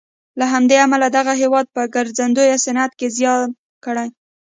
له همدې امله دغه هېواد په ګرځندوی صنعت کې زیان کړی.